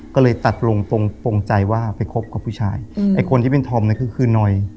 ก็เลยตัดลงตรงตรงใจว่าไปคบกับผู้ชายอืมแต่คนที่เป็นทอมนั้นคือคือหน่อย